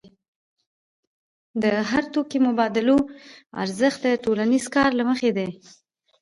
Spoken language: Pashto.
د هر توکي مبادلوي ارزښت د ټولنیز کار له مخې دی.